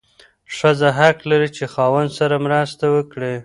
ښځه حق لري چې خاوند سره مرسته وکړي.